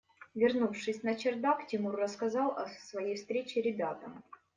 Вернувшись на чердак, Тимур рассказал о своей встрече ребятам.